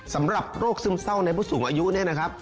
สำหรับโรคซึมเศร้าในผู้สูงอายุเนี่ยนะครับ